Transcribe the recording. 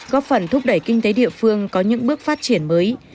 góp phần thúc đẩy kinh tế địa phương có những bước phát triển mới